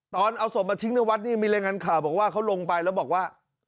ตอนเอาศพมาทิ้งในวัดนี่มีรายงานข่าวบอกว่าเขาลงไปแล้วบอกว่า